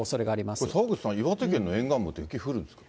これ、澤口さん、岩手県の沿岸部って雪、降るんですか？